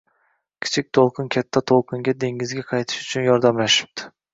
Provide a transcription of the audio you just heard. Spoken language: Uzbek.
Kichik to'lqin Katta to‘lqinga dengizga qaytishi uchun yordamlashibdi